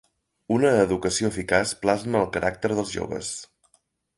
Una educació eficaç plasma el caràcter dels joves.